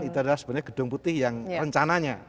itu adalah sebenarnya gedung putih yang rencananya